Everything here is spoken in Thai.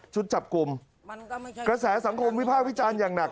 จับกลุ่มกระแสสังคมวิภาควิจารณ์อย่างหนัก